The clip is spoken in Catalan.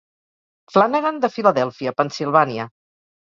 Flanagan de Filadèlfia, Pennsilvània.